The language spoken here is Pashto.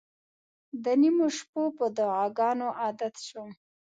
د نیمو شپو په دعاګانو عادت شوم.